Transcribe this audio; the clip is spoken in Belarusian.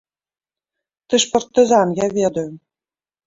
Ты ж партызан, я ведаю.